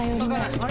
あれ？